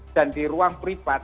dan di ruang pribat